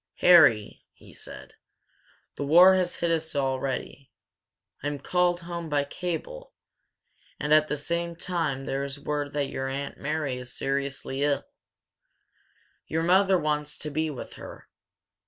"Harry," he said, "the war has hit us already. I'm called home by cable, and at the same time there is word that your Aunt Mary is seriously ill. Your mother wants to be with her.